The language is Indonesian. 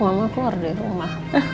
mama keluar dari rumah